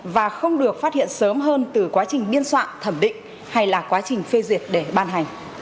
và không được phát hiện sớm hơn từ quá trình biên soạn thẩm định hay là quá trình phê duyệt để ban hành